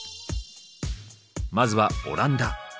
まずはオランダ。